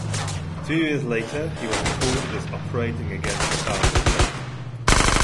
Two years later, he was recorded as operating against Kazan.